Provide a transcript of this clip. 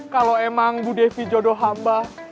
kalau emang bu devi jodoh hamba